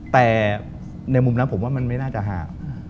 แต่ในมุมนั้นผมว่ามันไม่น่าจะห่าง